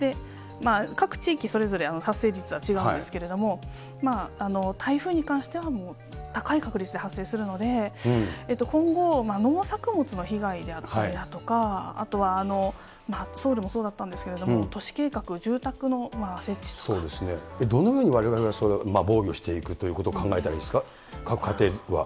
各地域、それぞれ、発生率は違うんですけども、台風に関しては、もう高い確率で発生するので、今後、農作物の被害であったりだとか、あとはソウルもそうだったんですけれども、都市計画、住宅の設置とか。どんなふうにわれわれはそれを防御していくということを考えたらいいですか、各家庭は。